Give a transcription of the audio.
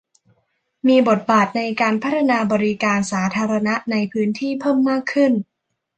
มีบทบาทในการพัฒนาบริการสาธารณะในพื้นที่เพิ่มมากขึ้น